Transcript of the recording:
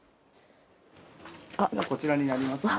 こちらになりますね。